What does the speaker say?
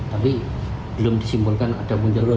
tapi belum disimpulkan ada munculan uang yang berbeda